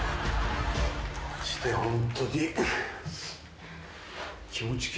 マジでホントに。